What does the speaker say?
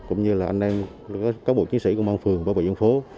cũng như là anh em các bộ chiến sĩ công an phường và bộ dân phố